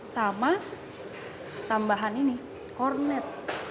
sama tambahan ini kornet